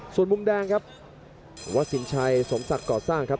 ส่วนมุมแดงครับวัดสินชัยสมศักดิ์ก่อสร้างครับ